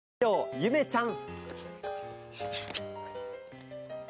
ゆめちゃん。